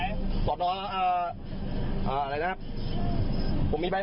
ไกลสถานการณ์เลย